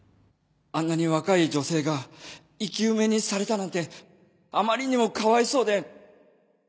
あんなに若い女性が生き埋めにされたなんてあまりにもかわいそうで